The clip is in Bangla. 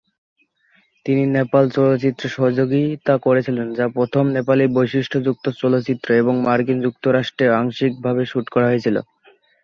তিনি "নেপাল" চলচ্চিত্রে সহযোগিতা করেছিলেন, যা প্রথম নেপালি বৈশিষ্ট্যযুক্ত চলচ্চিত্র এবং মার্কিন যুক্তরাষ্ট্রে আংশিকভাবে শুট করা হয়েছিল।